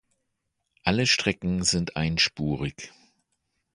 Alle Strecken sind einspurig.